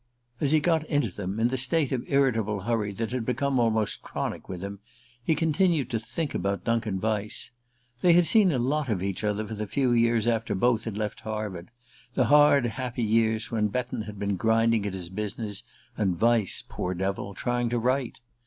As he got into them, in the state of irritable hurry that had become almost chronic with him, he continued to think about Duncan Vyse. They had seen a lot of each other for the few years after both had left Harvard: the hard happy years when Betton had been grinding at his business and Vyse poor devil! trying to write.